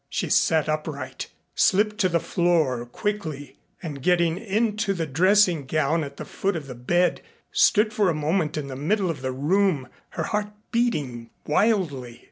She sat upright, slipped to the floor quickly, and, getting into the dressing gown at the foot of the bed, stood for a moment in the middle of the room, her heart beating wildly.